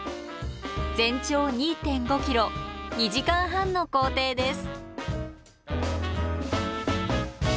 全長２．５ｋｍ２時間半の行程です。